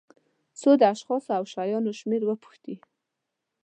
څو د اشخاصو او شیانو شمېر پوښتي.